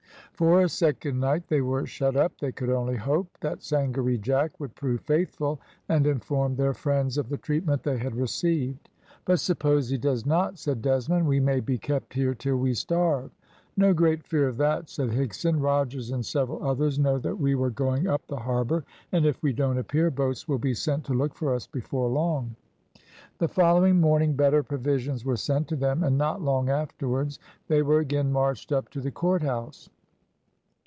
For a second night they were shut up; they could only hope that Sangaree Jack would prove faithful, and inform their friends of the treatment they had received. "But suppose he does not?" said Desmond; "we may be kept here till we starve." "No great fear of that," said Higson. "Rogers and several others know that we were going up the harbour; and if we don't appear, boats will be sent to look for us before long." The following morning better provisions were sent to them, and not long afterwards they were again marched up to the court house.